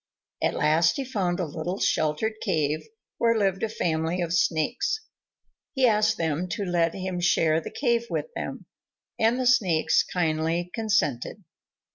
At last he found a little sheltered cave, where lived a family of Snakes. He asked them to let him share the cave with them, and the Snakes kindly consented.